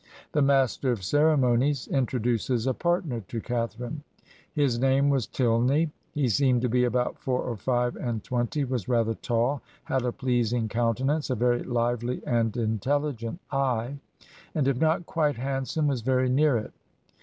the master of ceremonies introduces a partner to Catharine. " His name was Tilney. He seemed to be about four or five and twenty, was rather tall, had a pleasing countenance, a very lively and inteUigent eye, and, if not quite handsome, was very near it.